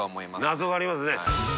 謎がありますね。